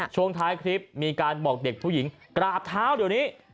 ช่วงท้ายคลิปมีการบอกเด็กผู้หญิงกราบเท้าเดี๋ยวนี้